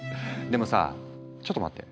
でもさちょっと待って。